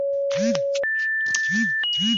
它们的迷鸟也有在新喀里多尼亚出没。